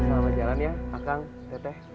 selamat jalan ya kang teteh